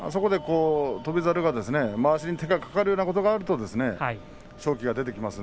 翔猿がまわしに手がかかるようなことになりますと勝機が出てきます。